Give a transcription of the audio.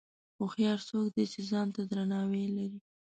هوښیار څوک دی چې ځان ته درناوی لري.